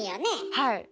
はい。